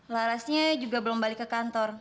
larasnya juga belum balik ke kantor